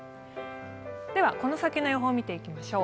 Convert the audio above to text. ではこの先の予報を見ていきましょう。